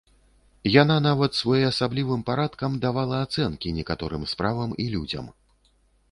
Яна нават своеасаблівым парадкам давала ацэнкі некаторым справам і людзям.